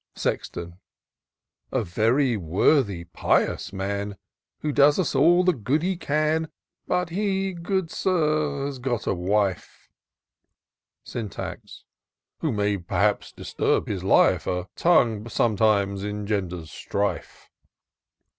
Sexton. " A very worthy, pious man. Who does us all the good he can ; But he, good Sir, has got. a wife ;"— Syntax. " Who may, perhaps, disturb his life ; A tongue sometimes engenders strife."